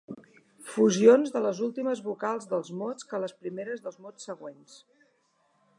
Fusions de les últimes vocals dels mots que les primeres dels mots següents.